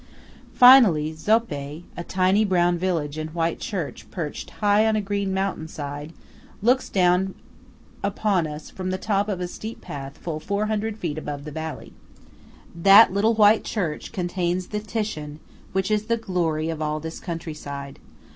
Finally Zoppé, a tiny brown village and white church perched high on a green mountain side, looks down upon us from the top of a steep path full 400 feet above the valley. That little white church contains the Titian which is the glory of all this country side.